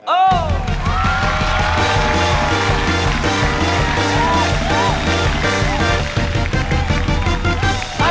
โอ้ย